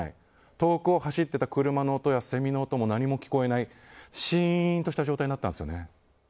遠くを走っていた車の音や蝉の音も何も聞こえないシーンとした状態になったんですね。